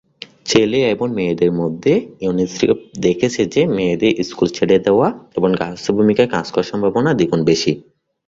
ছেলে এবং মেয়েদের মধ্যে, ইউনিসেফ দেখেছে যে মেয়েদের স্কুল ছেড়ে দেওয়া এবং গার্হস্থ্য ভূমিকায় কাজ করার সম্ভাবনা দ্বিগুণ বেশি।